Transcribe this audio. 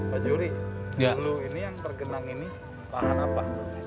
pak juri yang tergenang ini pahan apa